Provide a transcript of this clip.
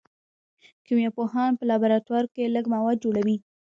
کیمیا پوهان په لابراتوار کې لږ مواد جوړوي.